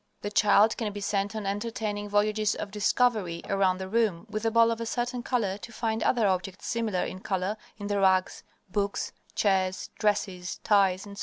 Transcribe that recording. The child can be sent on entertaining voyages of discovery around the room with a ball of a certain color to find other objects similar in color in the rugs, books, chairs, dresses, ties, etc.